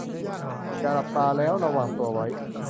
อย่าหลับตาแล้วระวังตัวไว้